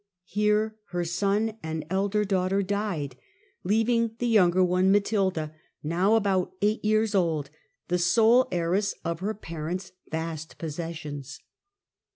Here her son and elder daughter died, leaving the younger one, Matilda, now about eight years old, the sole heiress of her parent's vast possessions.